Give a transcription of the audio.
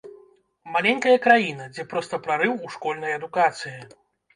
Маленькая краіна, дзе проста прарыў у школьнай адукацыі.